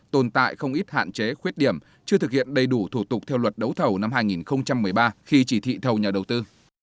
tồn tại không ít hạn chế khuyết điểm chưa thực hiện đầy đủ thủ tục theo luật đấu thầu năm hai nghìn một mươi ba khi chỉ thị thầu nhà đầu tư